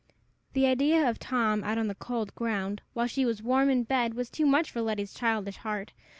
The idea of Tom, out on the cold ground, while she was warm in bed, was too much for Letty's childish heart.